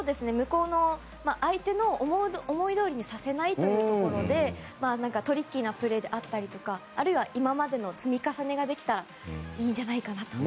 相手の思いどおりにさせないというところでトリッキーなプレーであったりとかあるいは今までの積み重ねができたらいいんじゃないかなと。